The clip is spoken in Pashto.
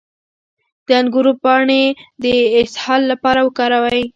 د انګور پاڼې د اسهال لپاره وکاروئ